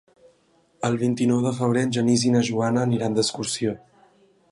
El vint-i-nou de febrer en Genís i na Joana aniran d'excursió.